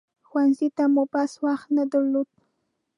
ښوونځي ته مو بس وخت نه درلود.